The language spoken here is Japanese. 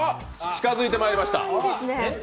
近づいてまいりました。